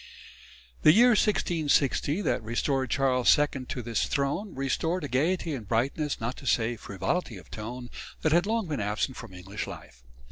The year 1660 that restored Charles II to his throne, restored a gaiety and brightness, not to say frivolity of tone, that had long been absent from English life.